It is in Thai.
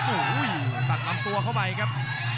โอ้โหตัดลำตัวเข้าไปครับ